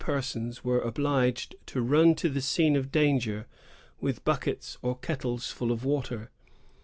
persons were obliged to run to the scene of danger with buckets or kettles full of water.